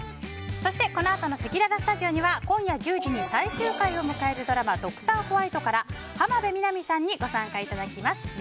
そして、このあとのせきららスタジオには今夜１０時に最終回を迎えるドラマ「ドクターホワイト」から浜辺美波さんにご参加いただきます。